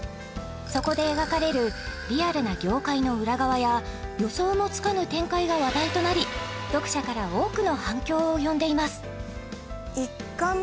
そこで描かれるリアルな業界の裏側や予想もつかぬ展開が話題となり読者から多くの反響を呼んでいます